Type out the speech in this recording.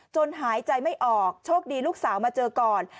หายใจไม่ออกโชคดีลูกสาวมาเจอก่อน